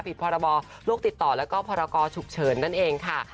พรบโลกติดต่อแล้วก็พรกรฉุกเฉินนั่นเองค่ะ